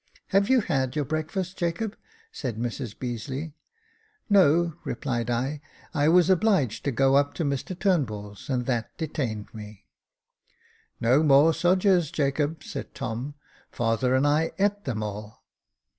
" Have you had your breakfast, Jacob ?" said Mrs Beazeley. " No," replied I ; "I was obliged to go up to Mr Turnbull's, and that detained me." "No more sodgers, Jacob," said Tom; "father and I eat them all."